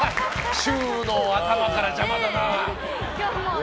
週の頭から邪魔だな。